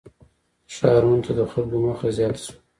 • ښارونو ته د خلکو مخه زیاته شوه.